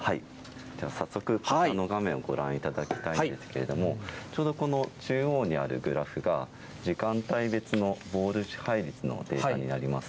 早速画面をご覧いただきたいんですけれども、ちょうどこの中央にあるグラフが、時間帯別のボール支配率のデータになります。